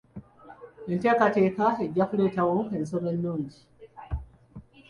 Enteekateeka ejja kuleetawo ensoma ennungi.